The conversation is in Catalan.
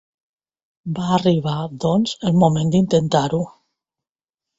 Va arribar, doncs, el moment d’intentar-ho.